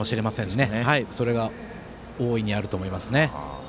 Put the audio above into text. それは大いにあると思いますね。